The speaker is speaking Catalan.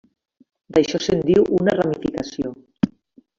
D'això se'n diu una ramificació.